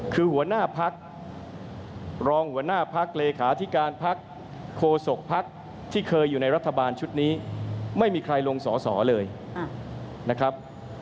คือหัวหน้าพักรองหัวหน้าพักเลขาธิการพักโคศกภักดิ์ที่เคยอยู่ในรัฐบาลชุดนี้ไม่มีใครลงสอสอเลยนะครับ